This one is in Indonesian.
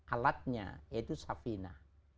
alatnya yaitu safina